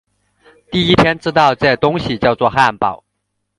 第一天知道这东西叫作汉堡